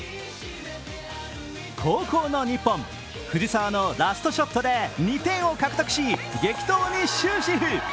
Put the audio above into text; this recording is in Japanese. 後攻の日本、藤澤のラストショットで２点を獲得し激闘に終止符。